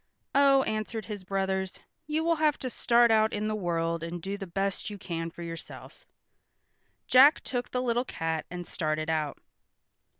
"Oh," answered his brothers, "you will have to start out in the world and do the best you can for yourself." Jack took the little cat and started out.